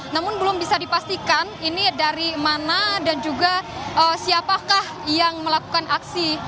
namun belum bisa dipastikan ini dari mana dan juga siapakah yang melakukan aksi